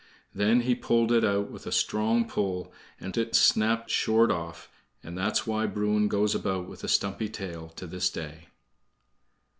Then he pulled it out with a strong pull, and it snapped short off, and that's why Bruin goes about with a stumpy tail to this day!